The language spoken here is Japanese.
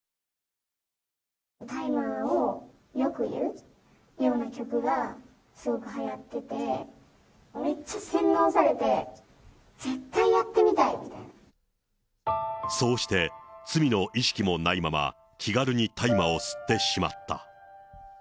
大麻をよくいうような曲がすごくはやってて、めっちゃ洗脳されて、そうして、罪の意識もないまま気軽に大麻を吸ってしまった。